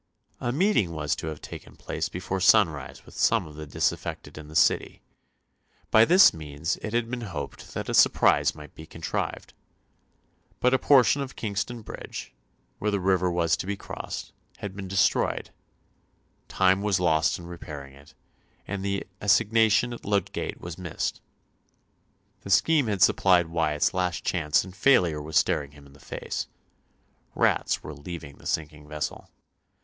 A meeting was to have taken place before sunrise with some of the disaffected in the City. By this means it had been hoped that a surprise might be contrived. But a portion of Kingston Bridge, where the river was to be crossed, had been destroyed; time was lost in repairing it, and the assignation at Ludgate was missed. The scheme had supplied Wyatt's last chance and failure was staring him in the face. Rats were leaving the sinking vessel.